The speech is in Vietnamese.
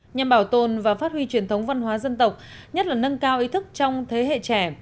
nhằm bảo tồn và phát huy truyền thống văn hóa dân tộc nhất là nâng cao ý thức trong thế hệ trẻ